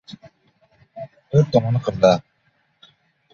To‘rt tomoni qibla!